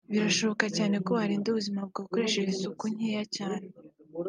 Birashoboka cyane ko warinda ubuzima bwawe ukoresha isukari nkeya cyane